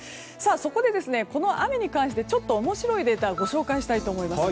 そこで、この雨に関してちょっと面白いデータをご紹介します。